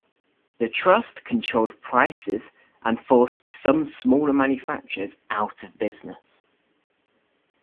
The trust controlled prices and forced some smaller manufacturers out of business.